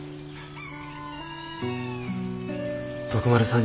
徳丸さん